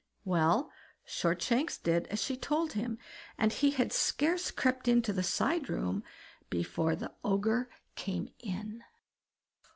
Well! Shortshanks did as she told him, and he had scarce crept into the side room before the Ogre came in.